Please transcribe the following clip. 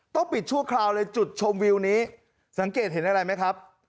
ปิดชั่วคราวเลยจุดชมวิวนี้สังเกตเห็นอะไรไหมครับ